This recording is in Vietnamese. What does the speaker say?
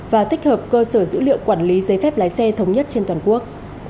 và tích hợp cơ sở dữ liệu quản lý giấy phép lái xe thống nhất trên toàn quốc